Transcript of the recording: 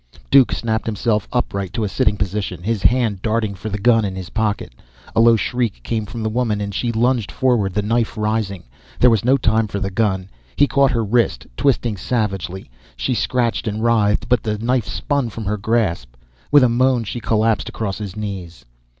Duke snapped himself upright to a sitting position, his hand darting for the gun in his pocket. A low shriek came from the woman, and she lunged forward, the knife rising. There was no time for the gun. He caught her wrist, twisting savagely. She scratched and writhed, but the knife spun from her grasp. With a moan, she collapsed across his knees.